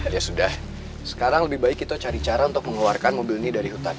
ya sudah sekarang lebih baik kita cari cara untuk mengeluarkan mobil ini dari hutan